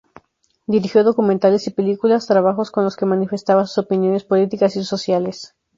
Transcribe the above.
Dirigió documentales y películas, trabajos con los que manifestaba sus opiniones políticas y sociales.